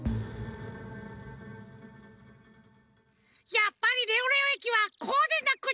やっぱりレオレオえきはこうでなくっちゃ！